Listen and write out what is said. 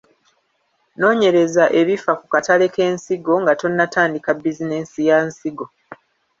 Noonyereza ebifa ku katale k’ensigo nga tonnatandika bizinensi ya nsigo.